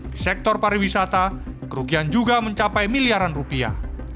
di sektor pariwisata kerugian juga mencapai miliaran rupiah